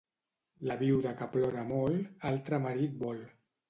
La viuda que plora molt altre marit vol.